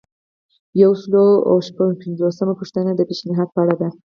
یو سل او شپږ پنځوسمه پوښتنه د پیشنهاد په اړه ده.